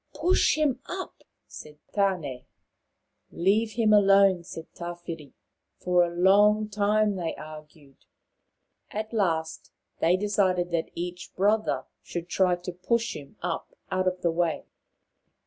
" Push him up," said Tane. " Leave him alone," said Tawhiri. For a long time they argued. At last they decided that each brother should try to push him up out of the way.